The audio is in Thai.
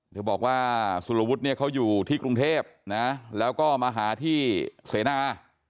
เธอบอกว่าสุรวุฒิเนี่ยเขาอยู่ที่กรุงเทพนะแล้วก็มาหาที่เสนา